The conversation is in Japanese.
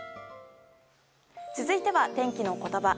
続いては天気のことば。